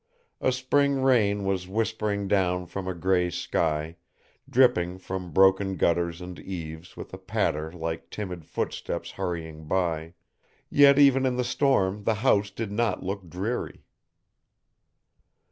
A spring rain was whispering down from a gray sky, dripping from broken gutters and eaves with a patter like timid footsteps hurrying by, yet even in the storm the house did not look dreary.